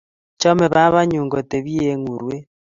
cheme babanenyu kotebche eng urwet